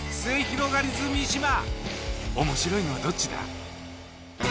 面白いのはどっちだ？